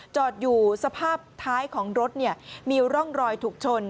จอดอยู่สภาพท้ายของรถมีร่องรอยถูกชน